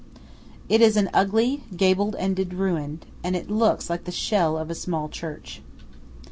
It is an ugly, gable ended ruin, and looks like the shell of a small church.